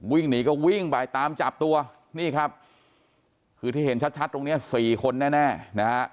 วิ่งหนีก็วิ่งไปตามจับตัวนี่ครับคือที่เห็นชัดชัดตรงเนี้ยสี่คนแน่นะฮะ